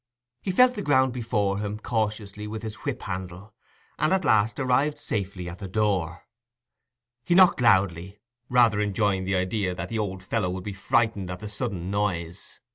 But he felt the ground before him cautiously with his whip handle, and at last arrived safely at the door. He knocked loudly, rather enjoying the idea that the old fellow would be frightened at the sudden noise.